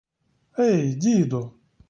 — Ей, діду!